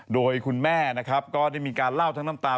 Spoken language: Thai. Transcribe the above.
โดยคุณแม่นะครับก็ได้มีการเล่าทั้งน้ำตา